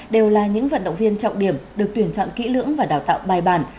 đều là những vận động viên trọng điểm được tuyển chọn kỹ lưỡng và đào tạo bài bản